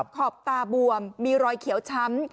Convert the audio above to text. ขอบตาบวมมีรอยเขียวช้ำ